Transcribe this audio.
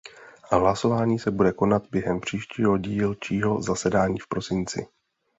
Hlasování se bude konat během příštího dílčího zasedání v prosinci.